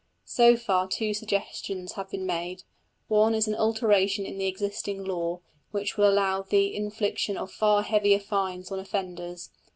So far two suggestions have been made. One is an alteration in the existing law, which will allow the infliction of far heavier fines on offenders.